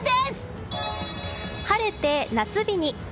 晴れて夏日に。